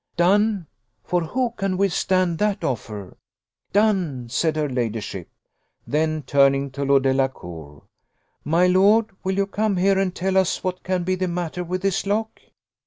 "Done! for who can withstand that offer? Done!" said her ladyship. Then turning to Lord Delacour, "My lord, will you come here and tell us what can be the matter with this lock?"